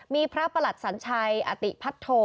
มีพระประหลัดสัญชัยอติพัฒโธ